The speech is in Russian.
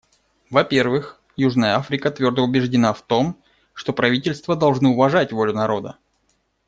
Во-первых, Южная Африка твердо убеждена в том, что правительства должны уважать волю народа.